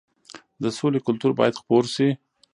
د سولې کلتور باید خپور شي.